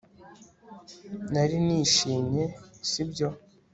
Nari nishimye si byo